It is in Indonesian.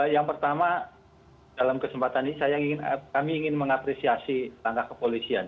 yang pertama dalam kesempatan ini kami ingin mengapresiasi langkah kepolisian